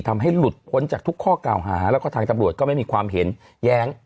ทำให้หลุดพ้นจากทุกข้อกล่าวหาแล้วก็ทางตำรวจก็ไม่มีความเห็นแย้ง